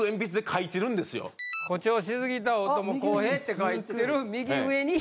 「誇張しすぎた大友康平」って書いてる右上に。